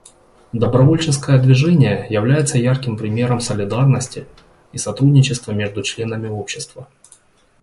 Добровольческое движение является ярким примером солидарности и сотрудничества между членами общества.